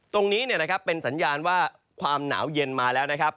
ตรงนี้เป็นสัญญาณว่าความหนาวเย็นมาแล้วนะครับ